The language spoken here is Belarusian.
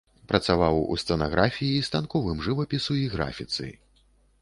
Працаваў у сцэнаграфіі, станковым жывапісу і графіцы.